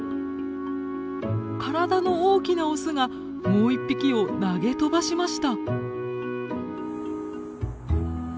体の大きなオスがもう一匹を投げ飛ばしました。